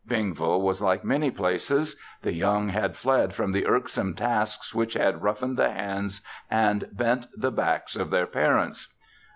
Bingville was like many places. The young had fled from the irksome tasks which had roughened the hands and bent the backs of their parents.